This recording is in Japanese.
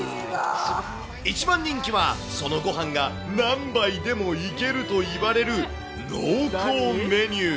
一番人気は、そのごはんが何杯でもいけるといわれる濃厚メニュー。